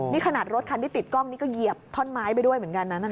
นี่ขนาดรถคันที่ติดกล้องนี้ก็เหยียบท่อนไม้ไปด้วยเหมือนกันนะ